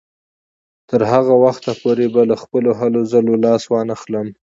تر هغه وخته به له خپلو هلو ځلو لاس وانهخلم.